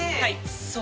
そう。